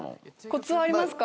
コツはありますか？